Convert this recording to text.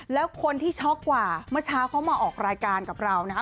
แล้วคนที่ช็อกกว่าเมื่อเช้าเขามาออกรายการกับเรานะคะ